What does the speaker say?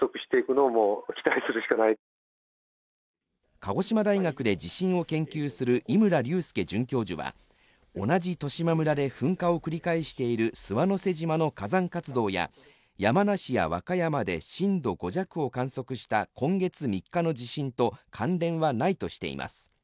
鹿児島大学で地震を研究する井村隆介准教授は同じ十島村で噴火を繰り返している諏訪之瀬島の火山活動や山梨や和歌山で震度５弱を観測した今月３日の地震と関連はないとしています。